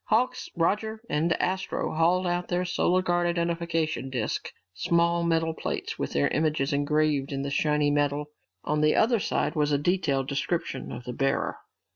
Hawks, Roger, and Astro hauled out their Solar Guard identification disks, small metal plates with their images engraved in the shiny metal. On the other side was a detailed description of the bearer.